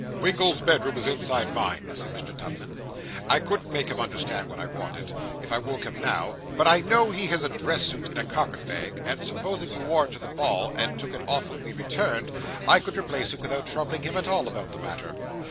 'Winkle's bedroom is inside mine,' said Mr. Tupman; 'I couldn't make him understand what I wanted, if I woke him now, but I know he has a dress suit in a carpet bag; and supposing you wore it to the ball, and took it off when we returned, I could replace it without troubling him at all about the matter.